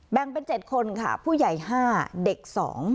แบ่งเป็นเจ็ดคนค่ะผู้ใหญ่ห้าเด็กสอง